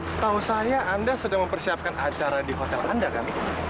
setahu saya anda sedang mempersiapkan acara di hotel anda kan